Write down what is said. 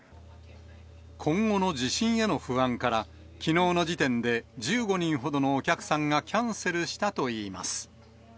今後の地震への不安から、きのうの時点で１５人ほどのお客さんがキャンセルしたといいます。